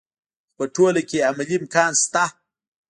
خو په ټوله کې یې عملي امکان شته.